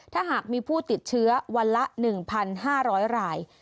ถ้าหากมีผู้ติดเชื้อวันละ๑๕๐๐ราย